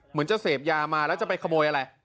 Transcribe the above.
เหมือนจะเสพยามาแล้วจะไปขโมยอะไร